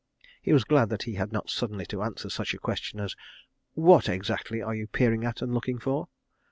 He was glad that he had not suddenly to answer such a question as "What exactly are you peering at and looking for?"